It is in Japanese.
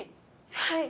はい。